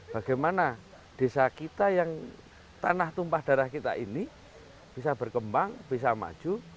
bagaimana desa kita yang tanah tumpah darah kita ini bisa berkembang bisa maju